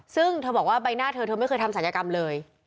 ซึ่งเธอบอกว่าใบหน้าเธอเธอไม่เคยทำศัลยกรรมเลย